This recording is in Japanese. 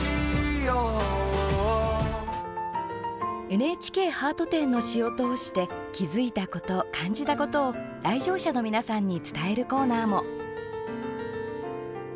ＮＨＫ ハート展の詩を通して気付いたこと、感じたことを来場者の皆さんに伝えるコーナーも。